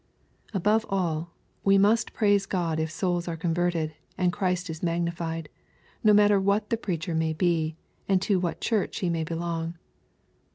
Above all, we must praise God if souls are converted, and Christ is magnified, — no matter who the preacher may be, and to what Church he may belong.